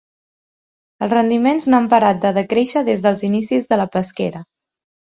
Els rendiments no han parat de decréixer des dels inicis de la pesquera.